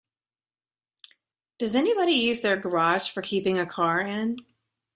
Does anybody use their garage for keeping a car in?